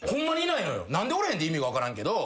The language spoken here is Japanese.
何でおれへんって意味が分からんけど。